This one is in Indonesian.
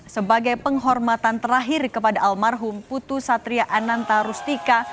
sebagai penghormatan terakhir kepada almarhum putu satria ananta rustika